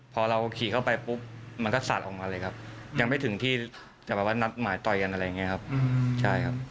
พอเราขี่เข้าไปปุ๊บมันก็สาดออกมาเลยครับยังไม่ถึงที่จะแบบว่านัดหมายต่อยกันอะไรอย่างนี้ครับใช่ครับ